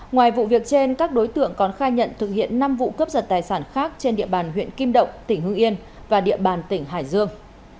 ngoài vụ việc trên các đối tượng còn khai nhận thực hiện năm vụ cướp giật tài sản khác trên địa bàn huyện kim động tỉnh hương yên và địa bàn tỉnh hải dương